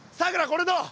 これどう？